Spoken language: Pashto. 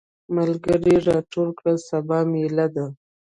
ملګري راټول کړه سبا ميله ده.